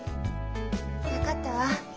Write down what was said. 分かったわ。